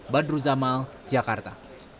badru zamal jakarta